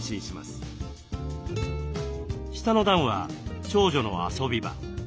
下の段は長女の遊び場。